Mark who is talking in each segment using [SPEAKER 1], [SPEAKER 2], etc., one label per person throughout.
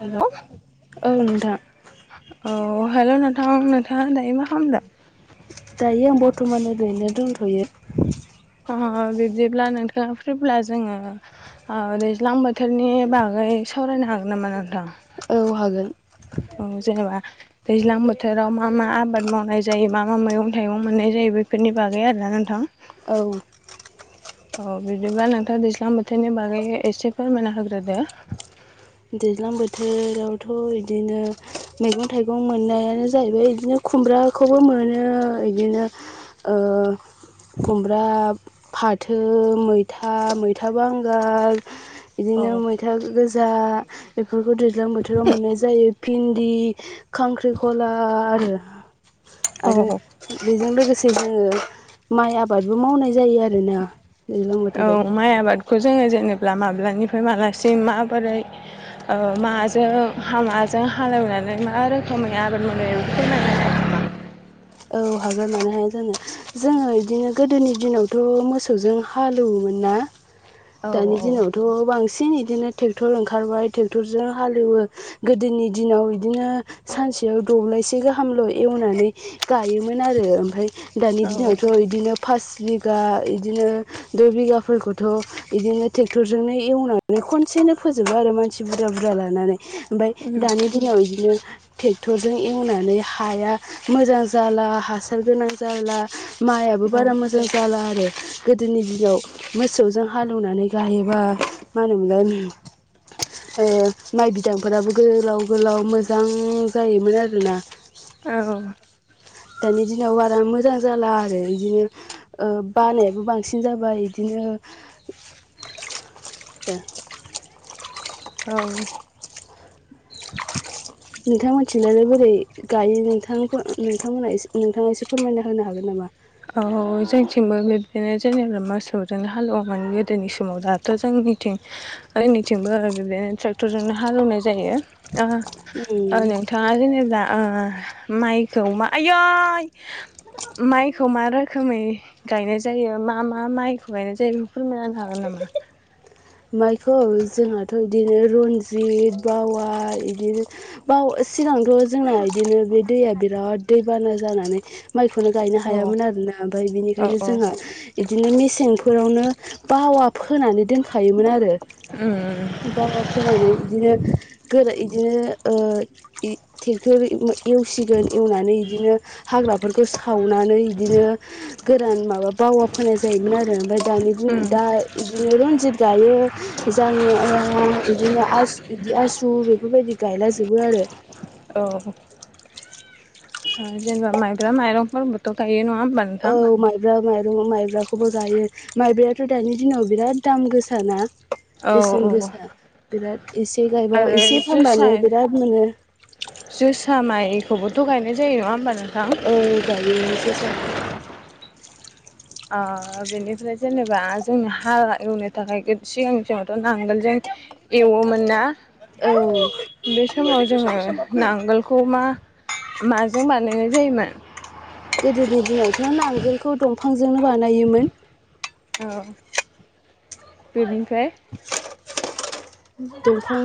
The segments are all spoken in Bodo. [SPEAKER 1] हेल' औ नोंथां
[SPEAKER 2] अ हेलौ नो थां नोंथाङा दायो मा खालामदों
[SPEAKER 1] दों थ'यो
[SPEAKER 2] अ बिब्दिब्ला नोंथाङा फ्रिब्ला जोङो ओ दैज्लां बोथोरनि बागै सावरायनो हागोन नामा नोंथां
[SPEAKER 1] औ हागोन
[SPEAKER 2] औ जेनेबा दैज्लां बोथोराव मा मा आबाद मावनाय जायो मा मा मैगं थाइगं मोननाय जायो बेफोरनि बागै आरोना नोंथां
[SPEAKER 1] औ
[SPEAKER 2] औ बिदिब्ला नोंथां दैज्लां बोथोरनि बागै एसे फोरमायना होग्रोदो
[SPEAKER 1] दैज्लां बोथोरावथ' बिदिनो मैगं थाइगं मोननायानो जाहैबाय बिदिनो खुमब्राखौबो मोनो बिदिनो ओ खुमब्रा फाथो मैथा मैथा बांगाल
[SPEAKER 2] औ
[SPEAKER 1] बिदिनो मैथा गोजा बेफोरखौ दैज्लां बोथोराव मोननाय जायो भिन्दि खांख्रिखला आरो
[SPEAKER 2] औ
[SPEAKER 1] आरो
[SPEAKER 2] औ
[SPEAKER 1] बेजों लोगोसे जोङो माइ आबादबो मावनाय जायो आ आरो ना दैज्लां बोथोराव
[SPEAKER 2] खौ जोङो जेनेबा माब्लानिफ्राय मालासिम माबोरै ओ माजों माजों हालेवनानै मा रोखोमै आबाद मावनाय जायो बेखौ फोरमाय [inaudible]
[SPEAKER 1] औ हागोन मानो हाया जानो जोङो बिदिनो गोदोनि दिनावथ' मोसौजों हालौ मोन ना दानि दिनावथ' बांसिन बिदिनो ट्रेक्टर ओंखारबाय ट्रेक्टरजों हालेवो गोदोनि दिनाव बिदिनो सानसेयाव दब्लायसे गाहामल' एवनानै गायोमोन आरो ओमफ्राय दानि दिनावथ' बिदिनो फास बिगा इदिनो दुइ बिगाफोरखौथ' बिदिनो ट्रेक्टरजोंनो एवनानै खनसेनो फोजोबो आरो मानसि बुरजा बुरजा लानानै ओमफ्राय दानि दिनाव बिदिनो ट्रेक्टरजों एवनानै हाया मोजां जाला हासार गोनां जाला माइआो
[SPEAKER 2] हागोन। औ
[SPEAKER 1] बारा मोजां जाला आरो गोदोनि दिनाव मोसौजों हालौवनानै गायोबा मा होनोमोनलाय
[SPEAKER 2] [unintelligible]
[SPEAKER 1] माइ बिदांफोराबो गोलाव गोलाव मोजां जायोमोन आरोना
[SPEAKER 2] औ
[SPEAKER 1] दानि दिनाव बारा मोजां जाला आरो बिदिनो बानायाबो बांसिन जाबाय बिदिनो जों
[SPEAKER 2] [inaudible]
[SPEAKER 1] बे [inaudible]
[SPEAKER 2] औ [inaudible]
[SPEAKER 1] नोंथां मिथिनानैनानै बोरै गायो नोंथां नोंथांमोना नोंथाङा एसे फोरमायना होनो हागोन नामा?
[SPEAKER 2] औ जोंथिंबो बिदिनो जेनेबा मोसौजों हालौवोमोन गोदोनि समाव दाथ' जों थिं [unintelligible] जोंनिथिंबो बिदिनो ट्रेक्टरजोंनो हालेवनाय जायो। ओ
[SPEAKER 1] उम
[SPEAKER 2] नोंथाङा जेनेबा ओ माइखौ आयै माइ [inaudible] खौ मा रोखोमै गायनाय जायो मा मा माइखौ गायनाय जायो फोरमायना होनो हिगोन नामा?
[SPEAKER 1] माइखौ जोंहाथ' बिदिनो रन्जित बावा बिदिनो बा सिगांथ' जोंना इदिनो बे दैया बिराद दैबाना जानानै माइखौनो गायनो
[SPEAKER 2] औ
[SPEAKER 1] हायामोन आरोना ओमफ्राय
[SPEAKER 2] औ
[SPEAKER 1] बिनिखायनो
[SPEAKER 2] औ
[SPEAKER 1] जोङो बिदिनो मेसेंफोरावनो बावा फोनानै दोनखायोमोन आरो
[SPEAKER 2] उम
[SPEAKER 1] बावा फोनानै इदिनो गोरा [unintelligible] बिदिनो ट्रेक्टर एवसिगोन एवनानै बिदिनो हाग्राफोरखौ सावनानै इदिनो गोरान माबा बावा फोनाय जायोमोन आरो ओमफ्राय दानि
[SPEAKER 2] उम
[SPEAKER 1] दा बिदिनो रनजित दायो जायो ओ इदिनो आसु इदि आसु बेफोरबायदि गाला जोबो आरो
[SPEAKER 2] औ जेनेबा माइब्रा माइरंफोरबोथ' गायो नङा होमबा
[SPEAKER 1] औ
[SPEAKER 2] नोंथां?
[SPEAKER 1] माइब्रा माइरं माइब्राखौबो गायो माइब्रा याथ' दायो दानि दिनाव बिराद दाम गोसा ना
[SPEAKER 2] औ
[SPEAKER 1] बेसेन
[SPEAKER 2] औ
[SPEAKER 1] गोसा बिराद एसे गायब
[SPEAKER 2] आरो
[SPEAKER 1] एसे
[SPEAKER 2] जोसा
[SPEAKER 1] फाननानै बिराद मोनो।
[SPEAKER 2] जोसा माइखौबोथ' गायनाय जायो नङा होमबा नोंथां?
[SPEAKER 1] औ गायो जोसाखौ
[SPEAKER 2] ओ बेनिफ्राय जेनेबा जोंनो हाल एवनो थाखाय सिगांनि [unintelligible] माबा सिगांथ' नांगोन जां एवोमोन ना
[SPEAKER 1] औ
[SPEAKER 2] बे समाव जोङो नांगोलखौ मा माजों बानायनाय जायोमोन
[SPEAKER 1] बिफांजोंनो बानायोमोन
[SPEAKER 2] औ बेनिफ्राय
[SPEAKER 1] दंफां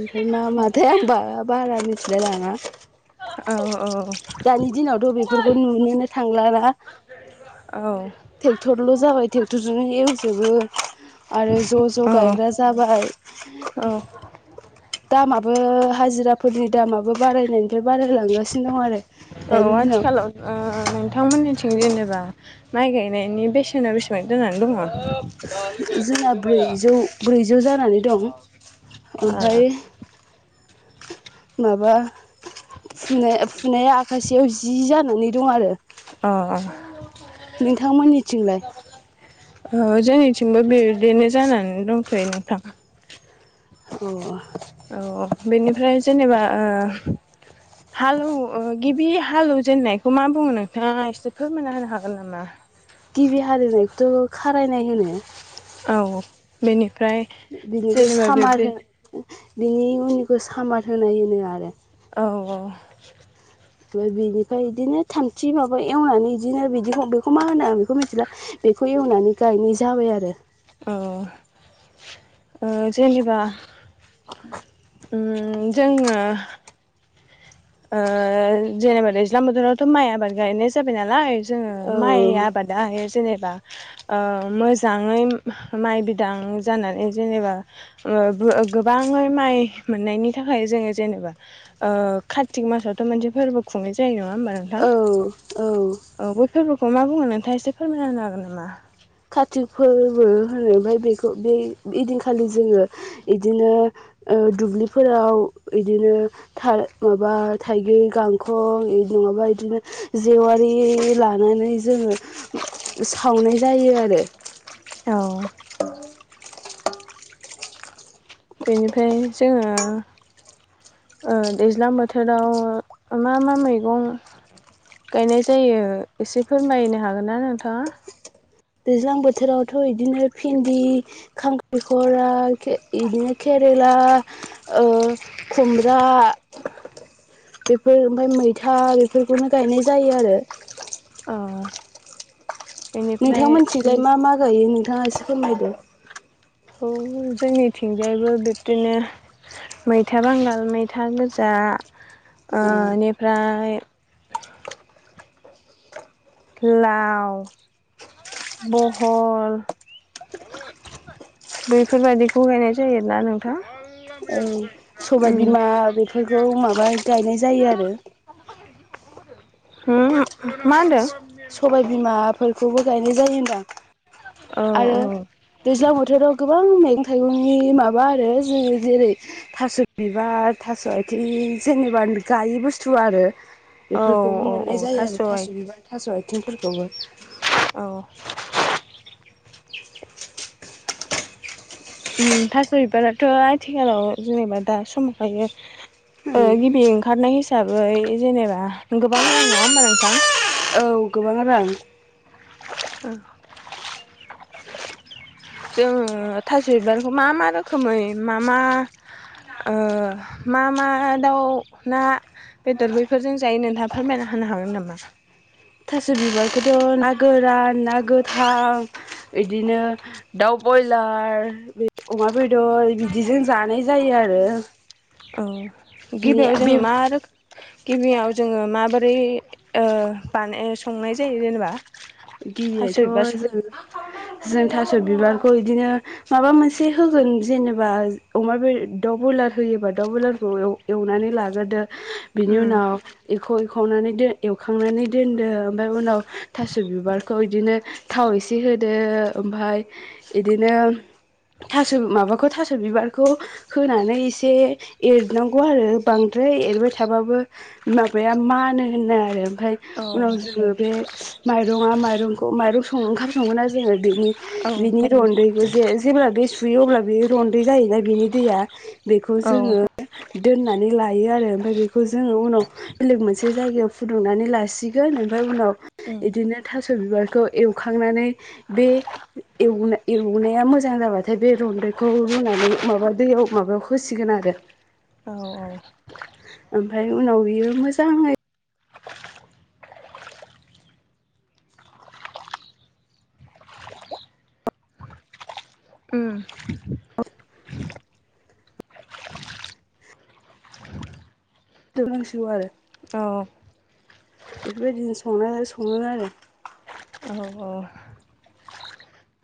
[SPEAKER 1] ओमफ्राय मा [unintelligible] आं बारा मिथिलाय लाङा
[SPEAKER 2] औ औ
[SPEAKER 1] दानि दिनावथ' बेफोरखौ नुनोनो थांला ना
[SPEAKER 2] औ
[SPEAKER 1] ट्रेक्टरल' जाबाय ट्रेक्टरजों एवजोबो आरो ज' ज' गायग्रा
[SPEAKER 2] औ
[SPEAKER 1] जाबाय दामा बो हाजिराफोरनि दामाबो बारायनायनिफ्राय बारायलांगासिनो दं आरो
[SPEAKER 2] औ
[SPEAKER 1] दानि दिनाव
[SPEAKER 2] थिं जेनेबा माइ गायनायनि बेसेना बेसेबां जानानै दङ?
[SPEAKER 1] जोंना ब्रैजौ ब्रैजौ जानानै दं। ओमफ्राय
[SPEAKER 2] अ
[SPEAKER 1] माबा फुनाय फुनाया आखासेयाव जि जानानै दं आरो
[SPEAKER 2] अ
[SPEAKER 1] नोंथांमोननिथिंलाय
[SPEAKER 2] औ जोंनिथिंबो बिदिनो जानानै दंथ'यो नोंथां।
[SPEAKER 1] अ
[SPEAKER 2] औ बेनिफ्राय जेनेबा ओ हालौ गिबि हालौवजेननायखौ मा बुङो नोंथाङा एसे फोरमानना होनो हागोन नामा?
[SPEAKER 1] गिबि हाल एवनायखौथ' खारायनाय होनो
[SPEAKER 2] औ बेनिफ्राय
[SPEAKER 1] बिनिखौ
[SPEAKER 2] जेनेबा
[SPEAKER 1] सामार
[SPEAKER 2] बे
[SPEAKER 1] हो बिनि उननिखौ सामर होनाय होनो आरो
[SPEAKER 2] औ औ
[SPEAKER 1] ओमफाय बिनिफ्राय इदिनो थामथि माबा एवनानै इदिनो बिदिखौ बेखौ मा होनो आं बेखौ मिथिला। बेखौ एवनानै गायनाय जाबाय आरो।
[SPEAKER 2] औ ओ जेनेबा ओ जोङो ओ जेनेबा दैज्लां बोथोरावथ' माइ आबाद गायनाय जाबाय नालाय। जोङो माइ आबादा जेनेबा ओ मोजाङै माइ बिदां जानानै जेनेबा ओ गो-गोबाङै माइ मोननायनि थाखाय जोङो जेनेबा ओ कार्तिक मासावथ' मोनसे फोरबो खुंनाय जायो नङा होमबा नोंथां
[SPEAKER 1] औ
[SPEAKER 2] औ बै फोरबोखौ बेखौ मा बुङो नोंथाङा एसे फोरमायना होनो हागोन नामा?
[SPEAKER 1] कारतिक फोरबोबो होनो ओमफ्राय बेखौ बे इदिनखालि जोङो इदिनो ओ दुब्लिफोराव इदिनो थाइ माबा थाइगिर गांखं नोङा इदिनो जेवारि लानानै जोङो साव नाय जायो आरो
[SPEAKER 2] औ बेनिफ्राय जोङो ओ दैज्लां बोथोराव मा मा मैगं गायनाय जायो एसे फोरमायनो हागोन ना नोंथाङा?
[SPEAKER 1] दैज्लां बोथोरावथ' इदिनो फिन्दि खांखलिखरा खे इदिनो केरेला ओ खुमब्रा बेफोर ओमफाय मैथा बेफोरखौनो गायनाय जायो आरो।
[SPEAKER 2] औ
[SPEAKER 1] नोंथां
[SPEAKER 2] बेनिफ्राय
[SPEAKER 1] मिथिंजाय मा मा गायो नोंथाङा एसे फोरमायदो।
[SPEAKER 2] औ जोंनिथिंजायबो बिब्दिनो मैथा बांगाल मैथा गोजा ओ निफ्राय लाव बहल बैफोरबायदिखौ गायनाय जायो ना नोंथां।
[SPEAKER 1] सबाइ
[SPEAKER 2] उम
[SPEAKER 1] बिमा बेफोरखौ माबा गायनाय जायो आरो।
[SPEAKER 2] [inaudible] मा होनदों?
[SPEAKER 1] सबाय बिमाफोरखौबो गायनाय जायो होनदो।
[SPEAKER 2] औ औ
[SPEAKER 1] दैज्लां बोथोराव गोबां मैगं थाइगंनि माबा आरो जो जेरै थास' बिबार थास' आइथिं जेनेबा गायि बुस्थु आरो
[SPEAKER 2] औ
[SPEAKER 1] बेफोरखौबो
[SPEAKER 2] औ औ
[SPEAKER 1] मोननाय जायो आरो थास'
[SPEAKER 2] आइ
[SPEAKER 1] बिबार थास' आथिंफोरखौबो
[SPEAKER 2] औ [inaudible] उम थास' बिबाराथ' आथिखालाव जेनेबा दा समखायो ओ गिबि ओंखारनाय हिसाबै जेनेबा गोबां रां नङा होमबा नोंथां?
[SPEAKER 1] औ गोबां रां
[SPEAKER 2] [inaudible] जोङो थास' बिबारखौ मा मा रोखोमै मा मा ओ मा मा दाउ ना बेदर बैफोरजों जायो नोंथा फोरमायना होनो हागोन नामा?
[SPEAKER 1] थास' बिबारखौथ' ना गोरान ना गोथां बिदिनो दाउ बयलार अमा बेदर बिदिजों जानाय जायो आरो
[SPEAKER 2] औ
[SPEAKER 1] बिनि
[SPEAKER 2] गिबियाव जों
[SPEAKER 1] बे
[SPEAKER 2] मा रोखोम गिबियाव जोङो माबोरै ओ माने थास'
[SPEAKER 1] गिबियाथ'
[SPEAKER 2] बिबार
[SPEAKER 1] जों जों बि बिबारखौ बिदिनो माबा मोनसे होगोन जेनेबा अमा बे दाउ ब्रयलार होयोबा दाउ बयलारखौ एवनानै लाग्रोदो बिनि
[SPEAKER 2] उम
[SPEAKER 1] उनाव एख' एखनानै द एवखांनानै दोनदों ओमफफ्राय उनाव थास' बिबारखौ इदिनो थाव इसे होदो ओमफाय बिदिनो ओं थास' माबाखौ थास' बिबारखौ होनानै एसे एरनांगौ आरो बांद्राय द्राय एरबाय थाबाबो माबाया मानो होनो आरो ओमफ्राय
[SPEAKER 2] औ
[SPEAKER 1] उनाव जोङो बे माइरङा माइरंखौ माइरं सं ओंखाम सङोना जोङो बेनि
[SPEAKER 2] औ
[SPEAKER 1] बिनि रनदैखौ जे जेब्ला दै सुयो अब्ला बे रनदै जायोना बिनि दैया बेखौ
[SPEAKER 2] औ
[SPEAKER 1] जोङो दोननानै लायो आरो ओमफ्राय बेखौ जोङो उनाव बेलेग मोनसे जायगायाव फुदुंनानै लासिगोन ओमफ्राय उनाव
[SPEAKER 2] उम
[SPEAKER 1] बिदिनो थास' बिबारखौ एवखांनानै बे एवनाया मोजां जाबाथाय बे रनदैखौ रुनानै माबा दैयाव माबायाव होसिगोन आरो बे
[SPEAKER 2] औ औ
[SPEAKER 1] ओमफफ्राय उनाव बियो मोजाङै
[SPEAKER 2] उम
[SPEAKER 1] दलांसुहार आरो
[SPEAKER 2] औ
[SPEAKER 1] बेफोरबायदिनो संनाय सङो आरो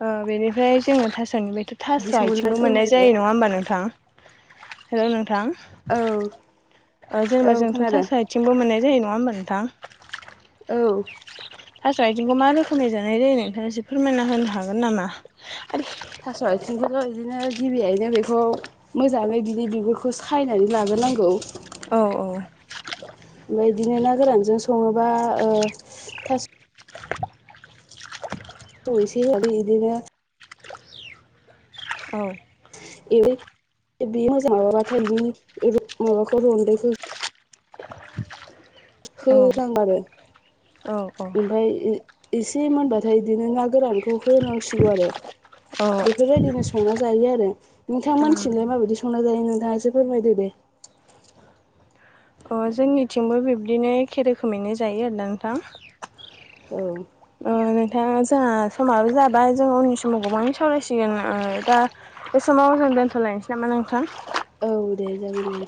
[SPEAKER 2] आ बेनिफ्राय जोङो थास'निफ्रायथ' थास'
[SPEAKER 1] बिदि संनानै
[SPEAKER 2] आथिंबो मोननाय
[SPEAKER 1] फोरमायदो
[SPEAKER 2] जायो नङा होमबा नोंथां हेलौ नोंथां
[SPEAKER 1] औ
[SPEAKER 2] ओ
[SPEAKER 1] औ
[SPEAKER 2] जेनेबा जोंथ'
[SPEAKER 1] खोनादों
[SPEAKER 2] थास' आथिंबो मोननाय जायो ना नङा होमबा नोंथां?
[SPEAKER 1] औ
[SPEAKER 2] थास' आइथिंखौ मा रोखोमै जानाय जायो नोंथाङा एसे फोरमायना होनो हागोन नामा?
[SPEAKER 1] थास' आथिंखौथ' बिदिनो गिबियैनो बेखौ मोजाङै बिदि बिगुरखौ सायनानै लाबो नांगौ
[SPEAKER 2] औ औ
[SPEAKER 1] ओमफ्राय बिदिनो ना गोरानजों सङोबा ओ थास' [unintelligible] एै [unintelligible] बे [unintelligible] मोजां माबाबाथाय [unintelligible] माबाखौ रनदैखौ [unintelligible]
[SPEAKER 2] औ औ औ
[SPEAKER 1] ओमफाय एसे मोनबाथाय बिदिनो ना गोरानखौ होनांसिगौ आरो
[SPEAKER 2] औ
[SPEAKER 1] बेफोरबायदिनो सं संना जायो आरो नोंथां मोनथिंलायलाय माबायदि संना जायो नोंथाङासो फोरमायदो दे?
[SPEAKER 2] [inaudible] अ जोंनिथिंबो बिबदानो एखे रोखोमैनो जायो आरोना नोंथां
[SPEAKER 1] औ
[SPEAKER 2] ओ नोंथाङा जोंहा समाबो जाबाय जों उननि समाव गोबाङै सावरायसिगोन आ दा बे समाव जों दोनथ'लायनोसै नामा नोंथां?
[SPEAKER 1] औ दे जागोन दे